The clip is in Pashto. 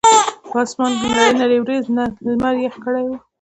پۀ اسمان نرۍ نرۍ وريځې نمر يخ کړے وو